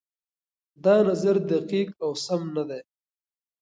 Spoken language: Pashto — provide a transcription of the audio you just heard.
دا نظر دقيق او سم نه دی.